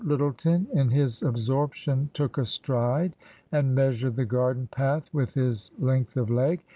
Lyttleton, in his absorption, took a stride and measured the garden path with his length of leg.